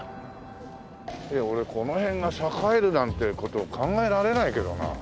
俺この辺が栄えるなんて事考えられないけどな。